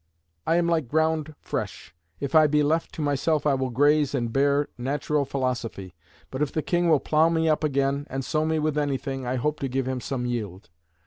"I am like ground fresh. If I be left to myself I will graze and bear natural philosophy; but if the King will plough me up again, and sow me with anything, I hope to give him some yield."